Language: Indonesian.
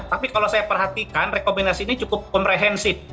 tapi kalau saya perhatikan rekomendasi ini cukup komprehensif